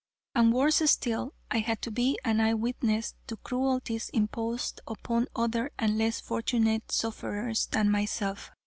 And worse still, I had to be an eye witness to cruelties imposed upon other and less fortunate sufferers than myself.